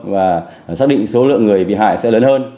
và xác định số lượng người bị hại sẽ lớn hơn